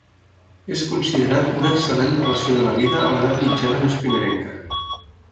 És considerat una excel·lent narració de la vida a l'edat mitjana més primerenca.